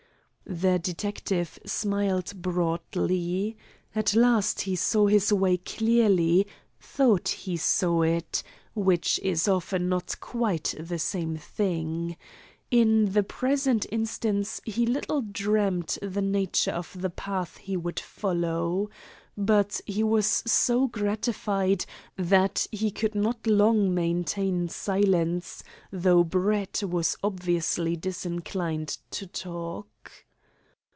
The detective smiled broadly. At last he saw his way clearly, or thought he saw it, which is often not quite the same thing. In the present instance he little dreamed the nature of the path he would follow. But he was so gratified that he could not long maintain silence, though Brett was obviously disinclined to talk.